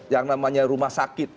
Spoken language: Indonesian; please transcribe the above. yang namanya rumah sakit